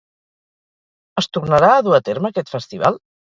Es tornarà a dur a terme aquest festival?